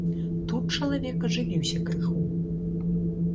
Тут чалавек ажывіўся крыху.